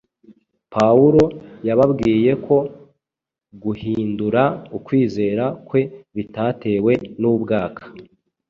Pawulo yababwiye ko guhindura ukwizera kwe bitatewe n’ubwaka,